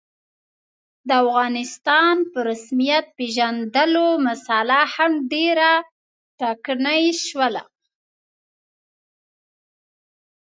د افغانستان په رسمیت پېژندلو مسعله هم ډېره ټکنۍ شوله.